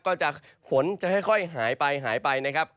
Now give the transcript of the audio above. ก็จะฝนจะค่อยหายไปนะครับ